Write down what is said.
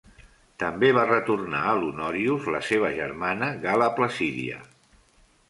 També va retornar a l"Honorius la seva germana Galla Placidia.